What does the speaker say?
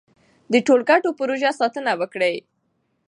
د ټولګټو پروژو ساتنه وکړئ.